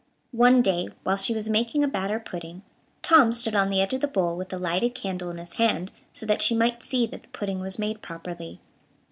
One day, while she was making a batter pudding, Tom stood on the edge of the bowl, with a lighted candle in his hand, so that she might see that the pudding was made properly.